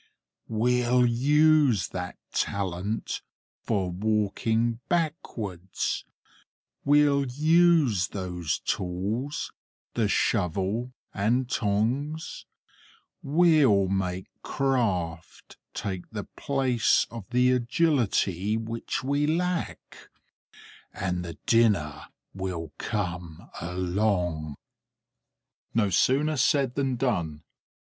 We'll use that talent for walking backwards; we'll use those tools, the shovel and tongs; we'll make craft take the place of the agility which we lack; and the dinner will come along." No sooner said than done.